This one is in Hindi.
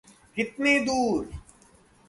कितने दूर?